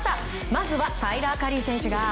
まずはタイラー・カリー選手が。